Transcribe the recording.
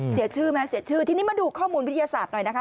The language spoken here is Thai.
เสียชื่อไหมเสียชื่อทีนี้มาดูข้อมูลวิทยาศาสตร์หน่อยนะคะ